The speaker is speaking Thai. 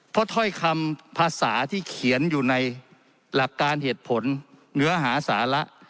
เพราะถ้อยคำภาษาที่เขียนอยู่ในหลักการเหตุผลเนื้อหาสาระ